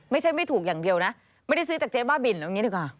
ไม่ใช่ไม่ถูกอย่างเดียวนะไม่ได้ซื้อจากเจ๊บ้าบินเอาอย่างนี้ดีกว่า